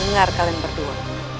dengar kalian berdua